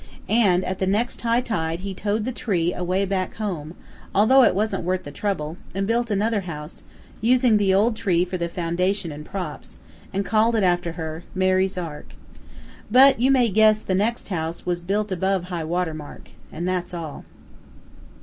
And at the next high tide he towed the tree away back home, although it wasn't worth the trouble, and built another house, using the old tree for the foundation and props, and called it after her, "Mary's Ark!" But you may guess the next house was built above high water mark. And that's all.